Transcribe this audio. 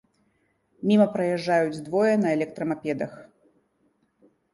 Міма праязджаюць двое на электрамапедах.